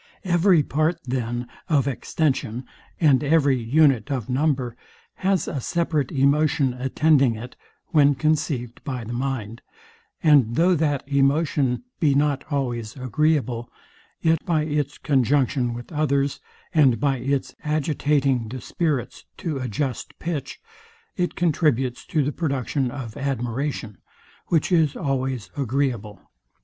Every part, then, of extension, and every unite of number has a separate emotion attending it; and though that emotion be not always agreeable, yet by its conjunction with others, and by its agitating the spirits to a just pitch, it contributes to the production of admiration, which is always agreeable.